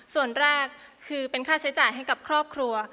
ส่วนแรกคือเป็นค่าใช้จ่ายให้กับครอบครัว